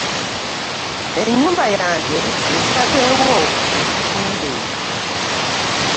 Ennyumba yange nsazeewo ngitunde.